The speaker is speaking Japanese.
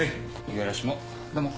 五十嵐も。